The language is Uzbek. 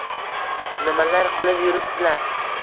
Nimalar qilib yuripsilar?